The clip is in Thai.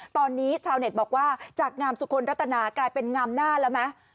ตอนนี้ชาวเน็ตบอกว่าจากงามสุคลรัตนากลายเป็นงามหน้าแล้วไหม